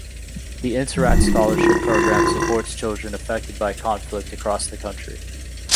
The Interact scholarship program supports children affected by conflict across the country.